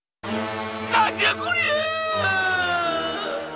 「何じゃこりゃ！」。